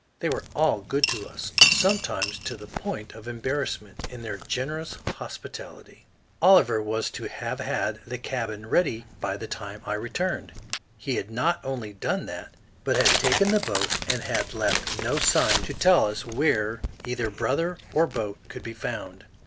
They were all good to us, sometimes to the point of embarrassment, in their generous hospitality. Oliver was to have had the cabin ready by the time I returned. He not only had not done that, but had taken the boat and had left no sign to tell us where either brother or boat could be found.